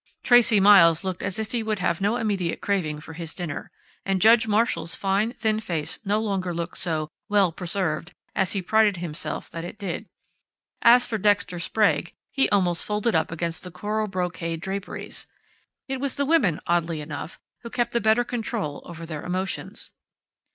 Tracey Miles looked as if he would have no immediate craving for his dinner, and Judge Marshall's fine, thin face no longer looked so "well preserved" as he prided himself that it did. As for Dexter Sprague, he almost folded up against the coral brocade draperies. It was the women, oddly enough, who kept the better control over their emotions.